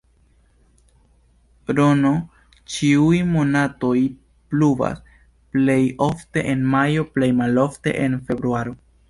Rn ĉiuj monatoj pluvas, plej ofte en majo, plej malofte en februaro.